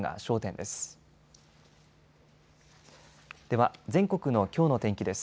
では全国のきょうの天気です。